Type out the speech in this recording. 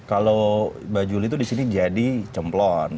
kalau mbak julie tuh di sini jadi cemplon